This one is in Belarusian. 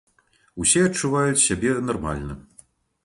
Усе адчуваюць сябе нармальна.